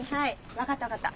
分かった分かった。